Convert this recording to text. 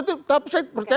bukan saya percaya